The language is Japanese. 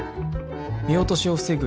見落としを防ぐ